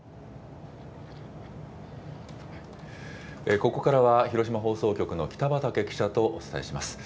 ここからは広島放送局の北畑記者とお伝えします。